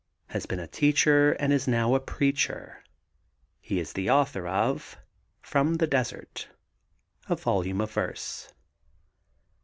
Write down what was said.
Has been a teacher and is now a preacher. He is the author of From the Desert, a volume of verse.